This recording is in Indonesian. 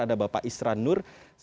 ada bapak isran nur